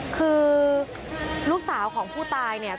คือลูกสาวของผู้ตายเนี่ย